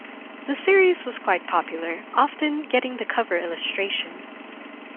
The series was quite popular, often getting the cover illustration.